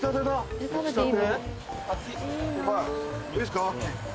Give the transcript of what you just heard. いいですか？